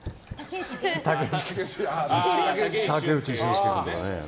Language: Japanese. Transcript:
武内駿輔君とかね。